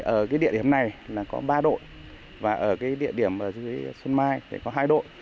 ở địa điểm này là có ba đội và ở địa điểm dưới xuân mai thì có hai đội